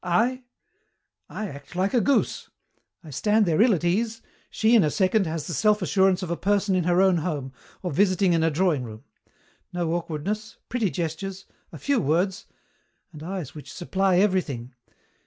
I, I act like a goose. I stand there ill at ease. She, in a second, has the self assurance of a person in her own home, or visiting in a drawing room. No awkwardness, pretty gestures, a few words, and eyes which supply everything!